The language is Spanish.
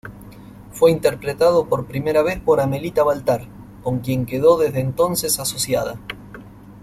Fue interpretado por primera vez por Amelita Baltar, con quien quedó desde entonces asociada.